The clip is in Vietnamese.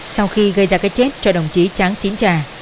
sau khi gây ra cái chết cho đồng chí tráng xín trà